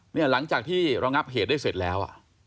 หลังจากที่ระงับเหตุได้เสร็จแล้ว